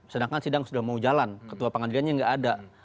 sedangkan sidang sudah mau jalan ketua pengadilannya nggak ada